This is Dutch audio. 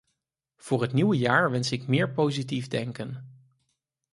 Voor het nieuwe jaar wens ik meer positief denken.